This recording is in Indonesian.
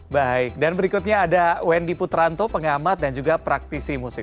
baik dan berikutnya ada wendy putranto pengamat dan juga praktisi musik